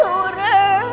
aku mah rindu